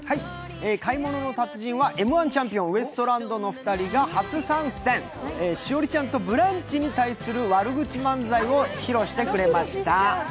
「買い物の達人」はＭ−１チャンピオン、ウエストランドのお二人が初参戦、栞里ちゃんと「ブランチ」に対する悪口漫才を披露してくれました。